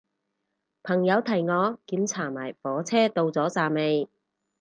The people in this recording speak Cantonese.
朋友提我檢查埋火車到咗站未